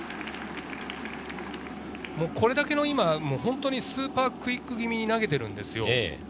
これだけの本当にスーパークイック気味に投げているんですよ。